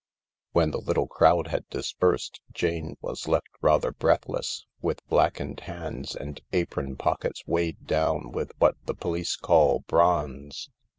When the little crowd had dispersed, Jane was left rather breathless, with blackened hands and apron pockets weighed down with what the police call bronze.